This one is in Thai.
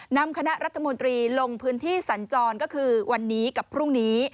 นำคณะรัฐมนตรีลงพื้นที่สัญจรก็คือวันนี้กับพรุ่งนี้